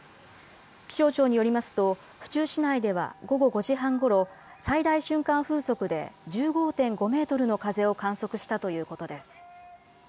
気象庁によりますと府中市内では午後５時半ごろ、最大瞬間風速で１５．５メートルの風を観測したということです。